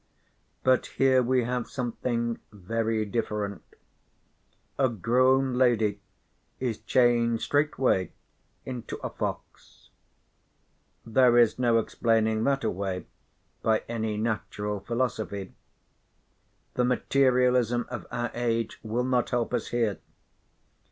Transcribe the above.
But here we have something very different. A grown lady is changed straightway into a fox. There is no explaining that away by any natural philosophy. The materialism of our age will not help us here.